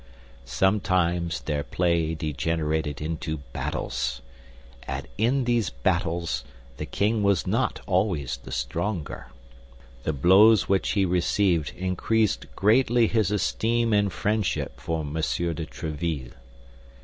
Sometimes their play degenerated into battles, and in these battles the king was not always the stronger. The blows which he received increased greatly his esteem and friendship for Monsieur de Tréville.